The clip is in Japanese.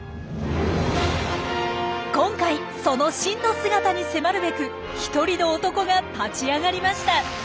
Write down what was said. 今回その真の姿に迫るべく一人の男が立ち上がりました。